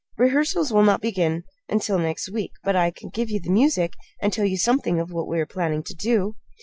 Rehearsals will not begin until next week; but I can give you the music, and tell you something of what we are planning to do."